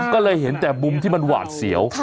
ก็เลยเห็นแต่มุมวาดเสียว